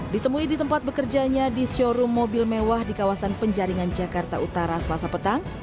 ditemui di tempat bekerjanya di showroom mobil mewah di kawasan penjaringan jakarta utara selasa petang